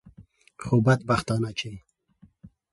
خو بدبختانه چې.